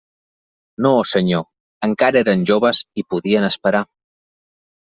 No, senyor; encara eren joves i podien esperar.